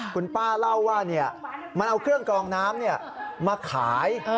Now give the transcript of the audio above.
คุณป้าเล่าว่าเนี่ยมันเอาเครื่องกองน้ำเนี่ยมาขาย